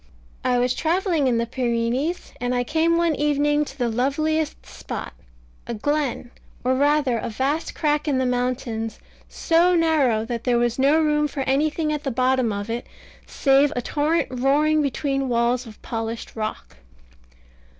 I was travelling in the Pyrenees; and I came one evening to the loveliest spot a glen, or rather a vast crack in the mountains, so narrow that there was no room for anything at the bottom of it, save a torrent roaring between walls of polished rock.